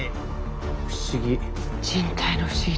不思議。